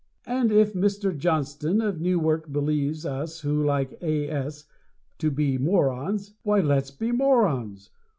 And if Mr. Johnston of Newark believes us who like A. S. to be morons, why let's be morons!